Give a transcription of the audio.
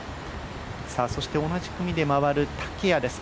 そして同じ組で回る竹谷です。